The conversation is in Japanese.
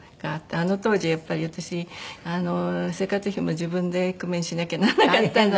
あの当時やっぱり私生活費も自分で工面しなきゃならなかったのでね。